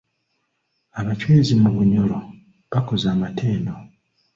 Abachwezi mu bunyoro bakoze amatendo.